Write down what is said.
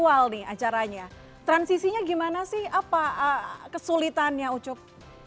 nah kalau kita lihat nih acaranya transisinya gimana sih apa kesulitannya ucup